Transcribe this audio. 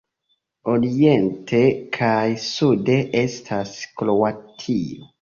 Oriente kaj sude estas Kroatio.